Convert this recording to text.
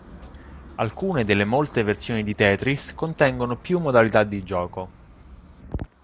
Alcune delle molte versioni di Tetris contengono più modalità di gioco.